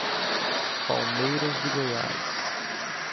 Palmeiras de Goiás